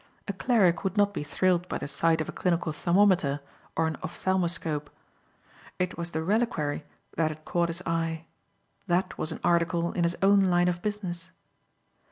A cleric would not be thrilled by the sight of a clinical thermometer or an ophthalmoscope. It was the reliquary that had caught his eye. That was an article in his own line of business.